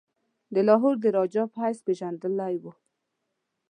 د لاهور د راجا په حیث پيژندلی وو.